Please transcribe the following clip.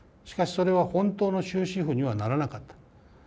しかしそれは本当の終止符にはならなかった。